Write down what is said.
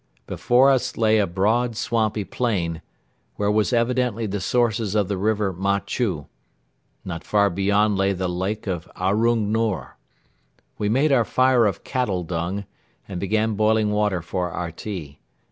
Before us lay a broad, swampy plain, where was evidently the sources of the river Ma chu. Not far beyond lay the Lake of Aroung Nor. We made our fire of cattle dung and began boiling water for our tea.